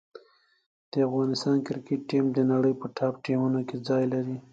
د افغانستان کرکټ ټیم د نړۍ په ټاپ ټیمونو کې ځای لري.